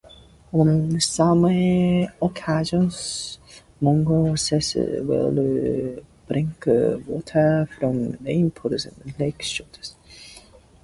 On some occasions, mongooses will drink water from rain pools and lake shores.